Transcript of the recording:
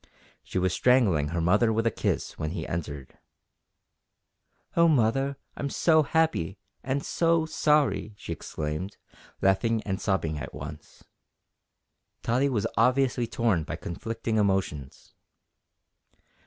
She was strangling her mother with a kiss when he entered. "Oh, mother! I'm so happy, and so sorry!" she exclaimed, laughing and sobbing at once. Tottie was obviously torn by conflicting emotions.